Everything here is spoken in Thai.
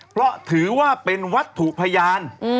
เพราะถือว่าเป็นวัตถุพยาน